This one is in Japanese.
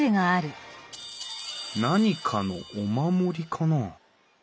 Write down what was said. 何かのお守りかな？